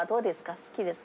好きですか？